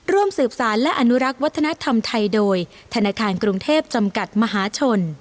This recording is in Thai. ร่วมสืบสารและอนุรักษ์วัฒนธรรมไทยโดยธนาคารกรุงเทพจำกัดมหาชน